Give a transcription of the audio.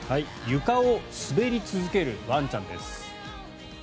床を滑り続けるワンちゃんです。